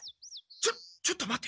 ちょちょっと待て。